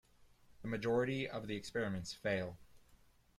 The majority of the experiments fail.